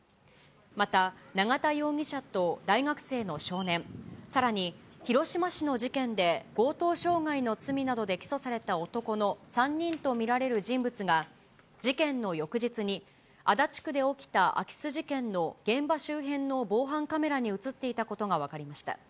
また、永田容疑者と大学生の少年、さらに広島市の事件で強盗傷害の罪などで起訴された男の３人と見られる人物が、事件の翌日に、足立区で起きた空き巣事件の現場周辺の防犯カメラに写っていたことが分かりました。